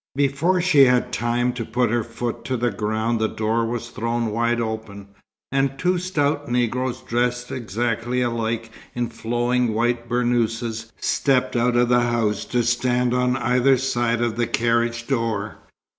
Before she had time to put her foot to the ground the door was thrown wide open, and two stout Negroes dressed exactly alike in flowing white burnouses stepped out of the house to stand on either side the carriage door.